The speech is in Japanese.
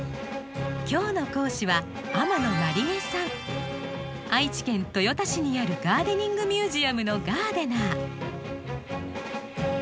今日の講師は愛知県豊田市にあるガーデニングミュージアムのガーデナー。